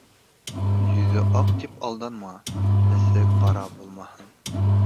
Йөҙө аҡ тип алданма, эсе ҡара булмаһын.